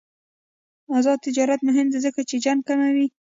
آزاد تجارت مهم دی ځکه چې جنګ کموي.